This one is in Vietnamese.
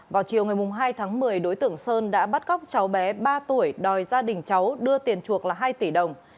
vào chiều ngày hai tháng một mươi đối tượng sơn đã bắt cóc cháu bé ba tuổi đòi gia đình cháu đưa tiền chuộc là hai tỷ đồng